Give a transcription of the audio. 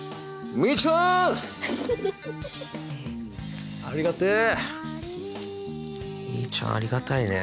みいちゃんありがたいね。